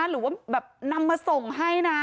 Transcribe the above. หรือว่าแบบนำมาส่งให้นะ